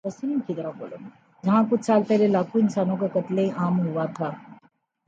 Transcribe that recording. جہاں کچھ سال پہلے لاکھوں انسانوں کا قتل عام ہوا تھا۔